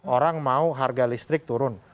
orang mau harga listrik turun